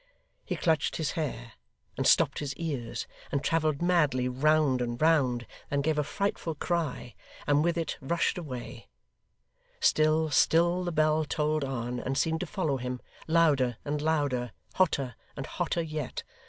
He clutched his hair, and stopped his ears, and travelled madly round and round; then gave a frightful cry, and with it rushed away: still, still, the Bell tolled on and seemed to follow him louder and louder, hotter and hotter yet.